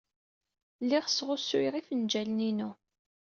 Lliɣ sɣusuyeɣ ifenjalen-inu.